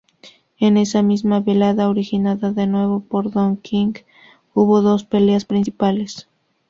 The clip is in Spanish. En esa misma velada, organizada de nuevo por Don King, hubo dos peleas principales.